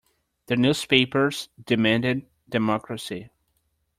The newspapers demanded democracy.